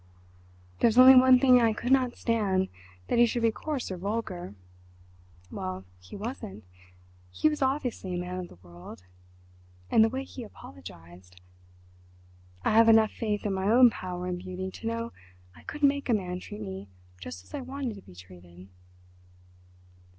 "There's only one thing I could not stand—that he should be coarse or vulgar. Well, he wasn't—he was obviously a man of the world, and the way he apologised... I have enough faith in my own power and beauty to know I could make a man treat me just as I wanted to be treated."...